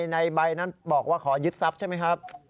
ในใบนั้นบอกว่าขอยึดทรัพย์ใช่ไหมครับ